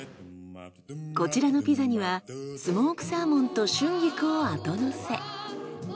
こちらのピザにはスモークサーモンと春菊を後乗せ。